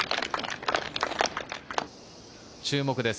注目です。